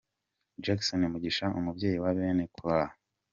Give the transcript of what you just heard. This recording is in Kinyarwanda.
Jackson Mugisha umubyeyi wa Bene Kora.